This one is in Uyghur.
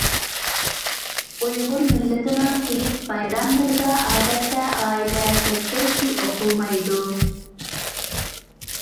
ئۇيغۇر مىللىتىنىڭ ھېيت-بايراملىرىدا ئادەتتە ئائىلە تەزكىرىسى ئوقۇلمايدۇ.